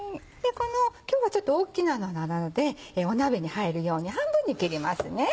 今日はちょっと大きいのなので鍋に入るように半分に切ります。